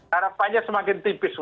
tarapannya semakin tipis